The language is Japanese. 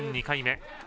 ２回目。